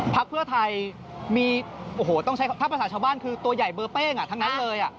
พักเพื่อไทยถ้าประสาทชาวบ้านคือตัวใหญ่เบอร์เป้งทั้งนั้นเลย